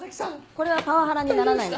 これはパワハラにならないの。